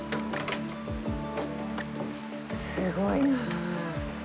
すごいなあ。